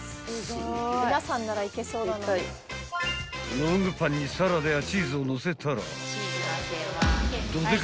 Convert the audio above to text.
［ロングパンにサラダやチーズをのせたらどでか